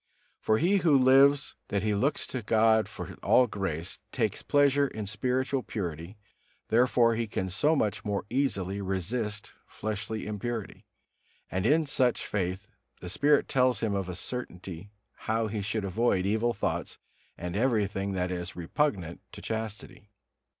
For he who so lives that he looks to God for all grace, takes pleasure in spiritual purity; therefore he can so much more easily resist fleshly impurity: and in such faith the Spirit tells him of a certainty how he shall avoid evil thoughts and everything that is repugnant to chastity.